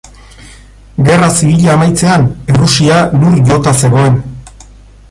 Gerra Zibila amaitzean, Errusia lur jota zegoen.